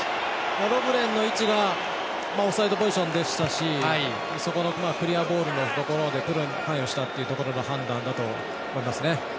ロブレンの位置がオフサイドポジションでしたしそこのクリアボールのところで関与したという判断だと思いますね。